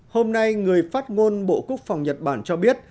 hôm nay người phát ngôn bộ quốc phòng nhật bản cho biết